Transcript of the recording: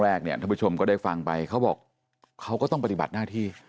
เนี่ยท่านผู้ชมก็ได้ฟังไปเขาบอกเขาก็ต้องปฏิบัติหน้าที่